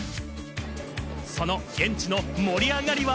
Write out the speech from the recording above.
その現地の盛り上がりは？